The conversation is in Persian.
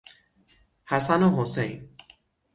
حسن و حسین